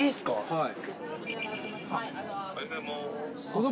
はい。